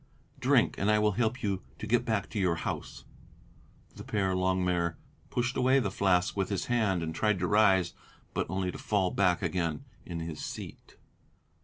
"Drink. And I will help you to get back to your house." The Père Longuemare pushed away the flask with his hand and tried to rise, but only to fall back again in his seat.